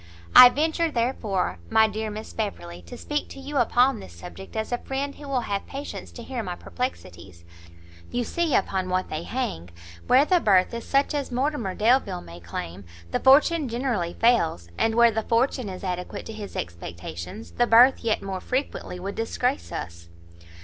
"I venture, therefore, my dear Miss Beverley, to speak to you upon this subject as a friend who will have patience to hear my perplexities; you see upon what they hang, where the birth is such as Mortimer Delvile may claim, the fortune generally fails; and where the fortune is adequate to his expectations, the birth yet more frequently would disgrace us."